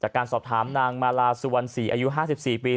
การสอบถามนางมาลาสุวรรณศรีอายุ๕๔ปี